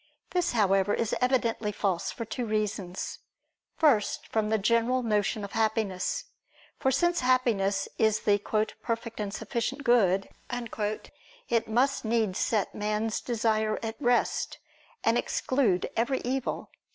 This, however, is evidently false, for two reasons. First, from the general notion of happiness. For since happiness is the "perfect and sufficient good," it must needs set man's desire at rest and exclude every evil.